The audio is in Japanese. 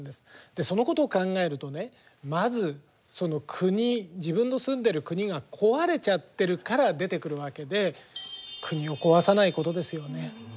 でそのことを考えるとねまずその国自分の住んでる国が壊れちゃってるから出てくるわけで国を壊さないことですよね。